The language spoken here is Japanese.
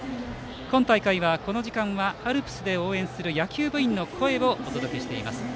今大会はこの時間はアルプスで応援する野球部員の声をお届けしています。